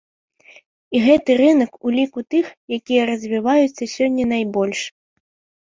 І гэты рынак у ліку тых, якія развіваюцца сёння найбольш.